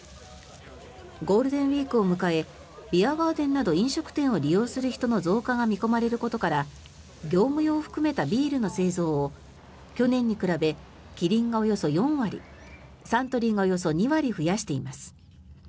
ゴールデンウィークを迎えビアガーデンなど飲食店を利用する人の増加が見込まれることから業務用を含めたビールの製造を去年に比べ、キリンがおよそ４割サントリーがおよそ２割増やしています。